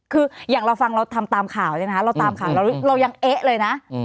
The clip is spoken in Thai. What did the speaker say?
คืออย่างเราฟังเราทำตามข่าวเนี่ยนะคะเราตามข่าวเรายังเอ๊ะเลยนะ